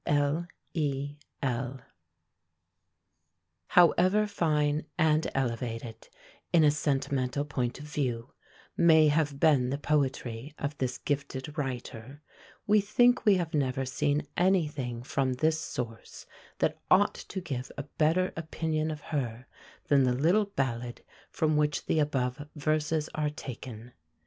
L. E. L. However fine and elevated, in a sentimental point of view, may have been the poetry of this gifted writer, we think we have never seen any thing from this source that ought to give a better opinion of her than the little ballad from which the above verses are taken.